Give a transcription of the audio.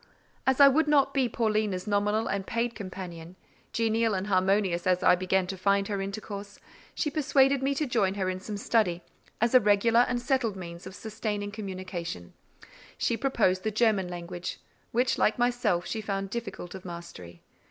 As I would not be Paulina's nominal and paid companion, genial and harmonious as I began to find her intercourse, she persuaded me to join her in some study, as a regular and settled means of sustaining communication: she proposed the German language, which, like myself, she found difficult of mastery.